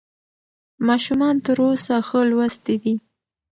ماشومان تر اوسه ښه لوستي دي.